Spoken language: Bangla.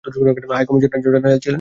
হাইকমিশনার একজন জেনারেল ছিলেন।